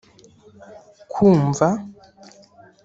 kumva